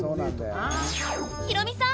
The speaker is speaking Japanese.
ヒロミさん！